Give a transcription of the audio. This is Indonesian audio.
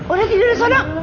udah tidur sono